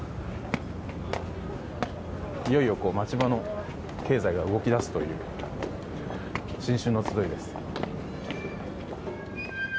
いよいよ町場の経済が動き出すという新春のつどいです。